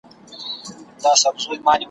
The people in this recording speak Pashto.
له کلو مي نمک خور پر دسترخوان دي `